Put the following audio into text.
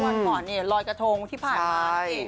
วันก่อนเนี่ยลอยกระทงที่ผ่านมานี่